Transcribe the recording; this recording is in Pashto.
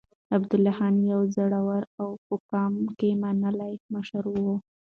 عبدالله خان يو زړور او په قوم کې منلی مشر و.